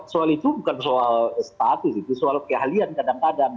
soal itu bukan soal status itu soal keahlian kadang kadang